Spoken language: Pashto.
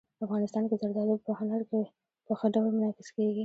افغانستان کې زردالو په هنر کې په ښه ډول منعکس کېږي.